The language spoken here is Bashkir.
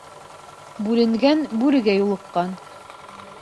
Бүленгән бүрегә юлыҡҡан.